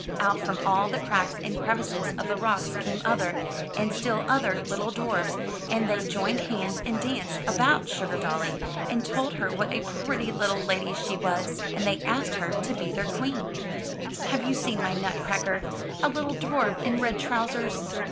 Out from all the cracks and crevices of the rocks came other, and still other little dwarfs, and they joined hands and danced about Sugardolly, and told her what a pretty little lady she was, and they asked her to be their queen. 100 UP ONE PAIR OF STAIRS '*Have you seen my Nutcracker — a little dwarf in red trousers?"